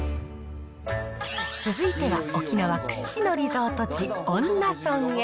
続いては、沖縄屈指のリゾート地、恩納村へ。